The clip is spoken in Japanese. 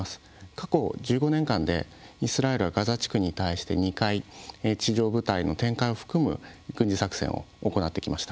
過去１５年間でイスラエルはガザ地区に対して２回、地上部隊の展開を含む軍事作戦を行ってきました。